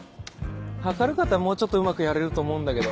明るかったらもうちょっとうまくやれると思うんだけど。